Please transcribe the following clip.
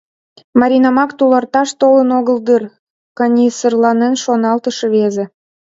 Маринамак туларташ толын огыл дыр?» — каньысырланен шоналтыш рвезе.